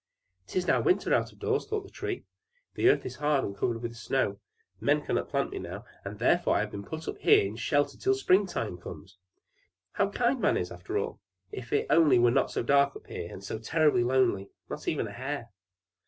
"'Tis now winter out of doors!" thought the Tree. "The earth is hard and covered with snow; men cannot plant me now, and therefore I have been put up here under shelter till the spring time comes! How thoughtful that is! How kind man is, after all! If it only were not so dark here, and so terribly lonely! Not even a hare!